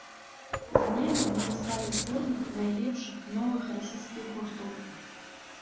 Днямі мне даслалі зборнік найлепшых новых расійскіх гуртоў.